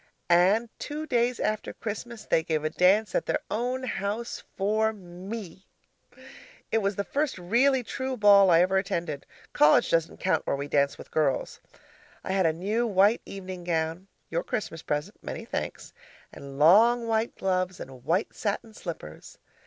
And two days after Christmas, they gave a dance at their own house for ME. It was the first really true ball I ever attended college doesn't count where we dance with girls. I had a new white evening gown (your Christmas present many thanks) and long white gloves and white satin slippers.